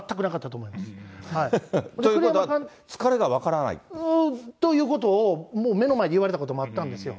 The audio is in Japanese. ということは疲れが分からない？ということを、もう目の前で言われたこともあったんですよ。